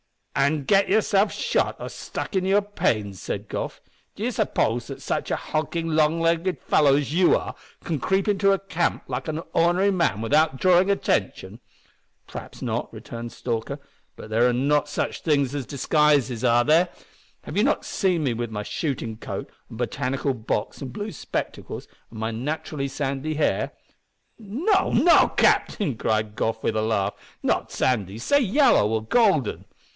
"An' get yourself shot or stuck for your pains," said Goff. "Do you suppose that such a hulking, long legged fellow as you are, can creep into a camp like an or'nary man without drawin' attention?" "Perhaps not," returned Stalker; "but are there not such things as disguises? Have you not seen me with my shootin' coat and botanical box an' blue spectacles, an' my naturally sandy hair." "No, no, captain!" cried Goff, with a laugh, "not sandy; say yellow, or golden."